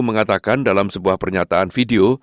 mengatakan dalam sebuah pernyataan video